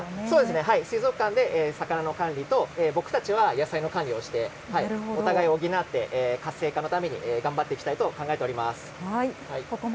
そうですね、水族館で魚の管理と、僕たちは野菜の管理をして、お互いを補って、活性化のために頑張っていきたいと考えておりま